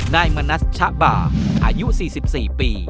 นายมณัชชะบาอายุ๔๔ปี